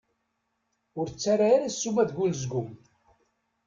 Ur ttarra ara ssuma deg unezgum!